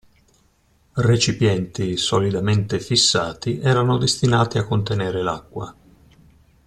Recipienti solidamente fissati erano destinati a contenere l'acqua.